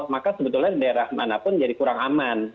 maka sebetulnya daerah mana pun jadi kurang aman